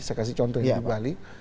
saya kasih contohnya di bali